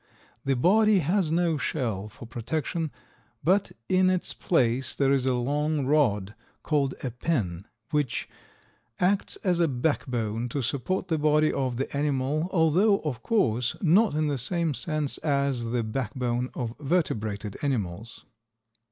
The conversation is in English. The body has no shell for protection, but in its place there is a long rod called a pen, which acts as a backbone to support the body of the animal, although of course not in the same sense as the backbone of vertebrated animals.